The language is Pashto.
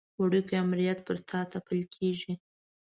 وړوکی امریت پر تا تپل کېږي.